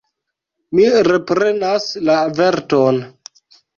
Mi reprenas la averton.